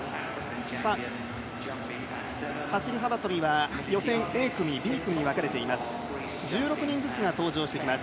走り幅跳びは予選Ａ組、Ｂ組にわかれています。